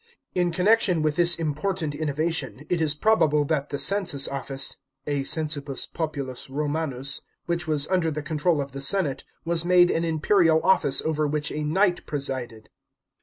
In connection with this important innovation, it is probable that the census office (a censibus pop. Rom.}, which was under the control of the senate, was made an imperial office over which a knight presided.